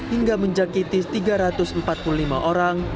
hingga menjangkiti tiga ratus empat puluh lima orang